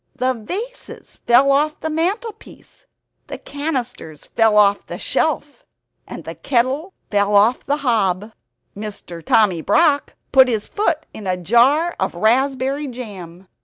The vases fell off the mantelpiece, the cannisters fell off the shelf; the kettle fell off the hob. Tommy Brock put his foot in a jar of raspberry jam.